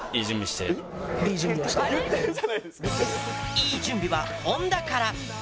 「良い準備」は本田から。